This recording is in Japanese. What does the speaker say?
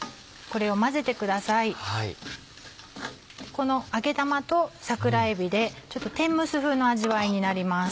この揚げ玉と桜えびでちょっと天むす風の味わいになります。